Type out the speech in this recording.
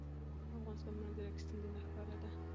د افغانستان په منظره کې سیندونه ښکاره ده.